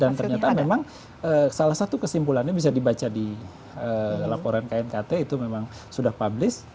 dan ternyata memang salah satu kesimpulannya bisa dibaca di laporan knkt itu memang sudah publis